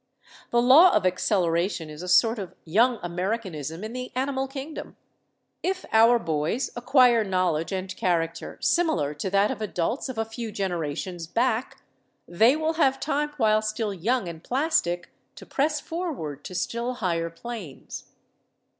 The law of acceleration is a sort of young Americanism in the animal kingdom. If our boys acquire knowledge and character similar to that of adults of a few generations back, they will have time while still young and plastic to press forward to still higher planes."